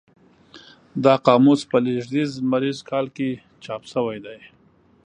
دا قاموس په لېږدیز لمریز کال کې چاپ شوی دی.